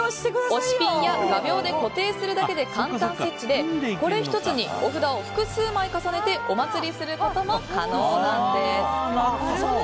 押しピンや画びょうで固定するだけの簡単設置でこれ１つにお札を複数枚重ねておまつりすることも可能なんです。